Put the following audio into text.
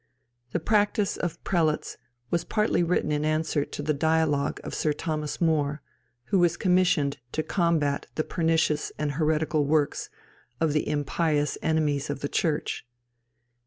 The Practice of Prelates was partly written in answer to the Dialogue of Sir Thomas More, who was commissioned to combat the "pernicious and heretical" works of the "impious enemies of the Church."